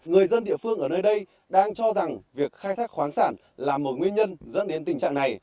người dân địa phương ở nơi đây đang cho rằng việc khai thác khoáng sản là một nguyên nhân dẫn đến tình trạng này